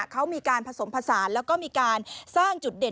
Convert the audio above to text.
เขามีการผสมผสานแล้วก็มีการสร้างจุดเด่น